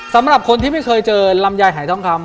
สำหรับคนที่ไม่เคยเจอลำไยหายทองคำ